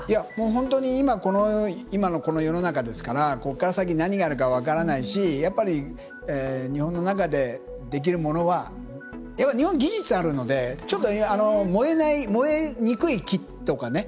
本当に今のこの世の中ですからここから先、何があるか分からないし、日本の中でできるものは日本技術があるので燃えにくい木とかね。